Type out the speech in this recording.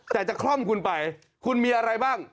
แต่จะคล่อมคุณไปคุณมีอะไรบ้าง